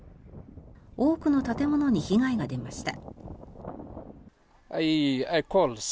多くの建物に被害が出ました。